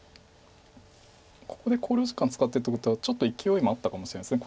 ここで考慮時間使ってるということはちょっといきおいもあったかもしれないです